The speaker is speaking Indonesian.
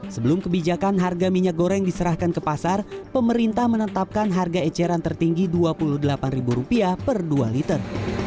sebelum kebijakan harga minyak goreng diserahkan ke pasar pemerintah menetapkan harga eceran tertinggi rp dua puluh delapan per dua liter